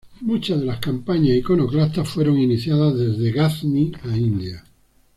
Muchas de las campañas iconoclastas fueron iniciadas desde Gazni a India.